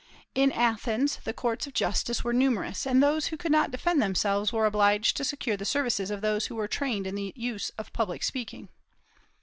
In Athens the courts of justice were numerous, and those who could not defend themselves were obliged to secure the services of those who were trained in the use of public speaking.